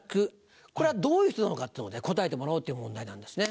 これはどういう人なのか答えてもらおうっていう問題なんですね。